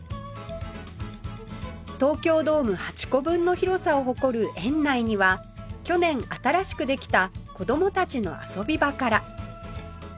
東京ドーム８個分の広さを誇る園内には去年新しくできた子どもたちの遊び場から